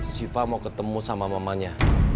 siva mau ketemu sama mamanya